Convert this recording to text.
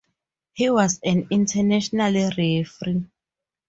He was an international referee.